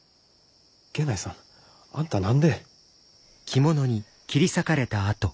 源内さんあんた何で！